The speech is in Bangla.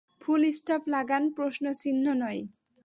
ফুল স্টপ লাগান, প্রশ্ন চিহ্ন নয়।